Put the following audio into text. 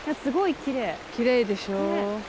きれいでしょ。